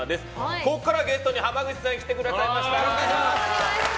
ここからゲストに濱口さん来てくださいました。